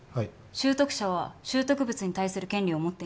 拾得者は拾得物に対する権利を持っています。